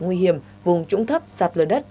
nguy hiểm vùng trũng thấp sạt lở đất